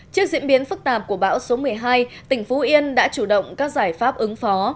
trước diễn biến phức tạp của bão số một mươi hai tỉnh phú yên đã chủ động các giải pháp ứng phó